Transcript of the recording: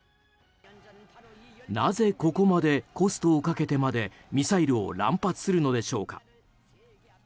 なぜ、ここまでコストをかけてまでミサイルを乱発するのでしょうか。